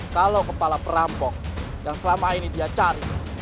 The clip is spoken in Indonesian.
kalau kepala perampok yang selama ini dia cari